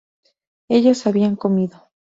ellos habían comido